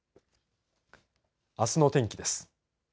あすの天気です。